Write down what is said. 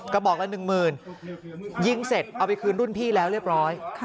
กระบอกละหนึ่งหมื่นยิงเสร็จเอาไปคืนรุ่นพี่แล้วเรียบร้อย